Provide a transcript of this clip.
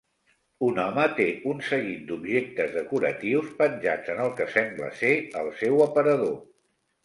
Un home té un seguit d'objectes decoratius penjats en el que sembla ser el seu aparador.